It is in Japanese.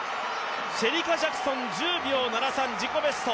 シェリカ・ジャクソン１０秒７３、自己ベスト。